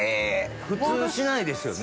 普通しないですよね？